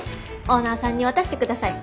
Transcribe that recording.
オーナーさんに渡してください。